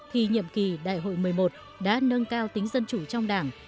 thì nhiệm kỳ đại hội một mươi một đã nâng cao tính dân chủ trong đảng